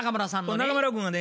中村君はね